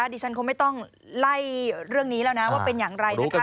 ดิฉันคงไม่ต้องไล่เรื่องนี้แล้วนะว่าเป็นอย่างไรนะคะ